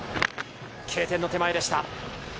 Ｋ点の手前でした。